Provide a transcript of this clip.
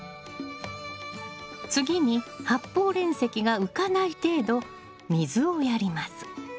次に発泡煉石が浮かない程度水をやります。